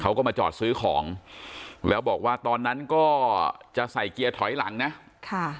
เขาก็มาจอดซื้อของแล้วบอกว่าตอนนั้นก็จะใส่เกียร์ถอยหลังนะค่ะ